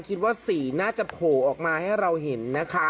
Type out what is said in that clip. คิดว่าสีน่าจะโผล่ออกมาให้เราเห็นนะคะ